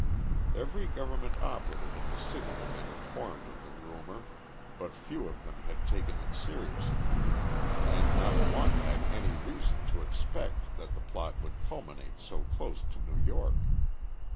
Every government operative in the city had been informed of the rumor, but few of them had taken it seriously and not one had any reason to expect that the plot would culminate so close to New York.